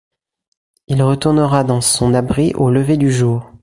Il retournera dans son abri au lever du jour.